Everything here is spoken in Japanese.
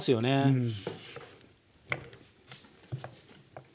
うん。